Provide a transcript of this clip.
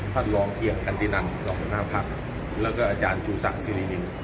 ท่านรองเพียงกันตินันรองหัวหน้าพักแล้วก็อาจารย์ชูศักดิรินิน